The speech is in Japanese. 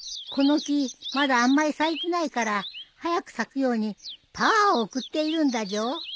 この木まだあんまり咲いてないから早く咲くようにパワーを送っているんだじょ。